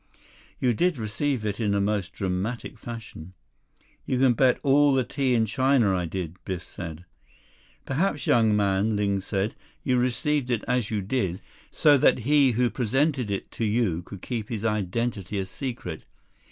"You did receive it in a most dramatic fashion." "You can bet all the tea in China I did," Biff said. "Perhaps, young man," Ling said, "you received it as you did, so that he who presented it to you could keep his identity a secret.